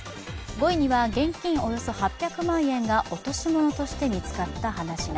５位には現金およそ８００万円が落とし物として見つかった話が。